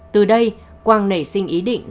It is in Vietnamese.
từ đây quang nảy sinh ý định